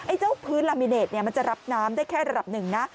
เจ้าพื้นลามิเนตมันจะรับน้ำได้แค่ระดับหนึ่งนะ